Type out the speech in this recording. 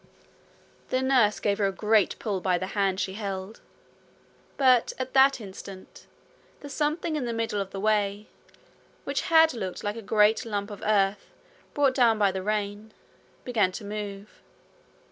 The nurse gave her a great pull by the hand she held. But at that instant the something in the middle of the way, which had looked like a great lump of earth brought down by the rain, began to move.